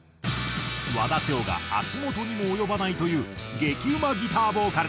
和田唱が足元にも及ばないという激うまギターボーカル。